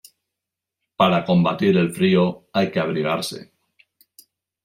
Para combatir el frío, hay que abrigarse.